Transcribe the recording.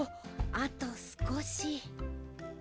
あとすこし。